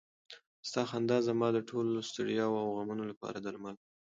ستا خندا زما د ټولو ستړیاوو او غمونو لپاره درمل و.